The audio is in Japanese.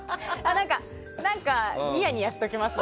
何かニヤニヤしときますね。